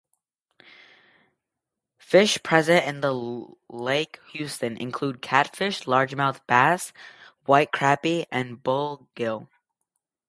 Fish present in Lake Houston include catfish, largemouth bass, white crappie, and bluegill.